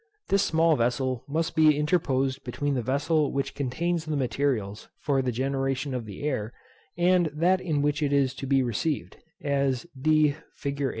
This small vessel must be interposed between the vessel which contains the materials for the generation of the air, and that in which it is to be received, as d fig.